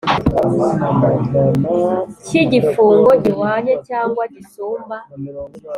cy igifungo gihwanye cyangwa gisumba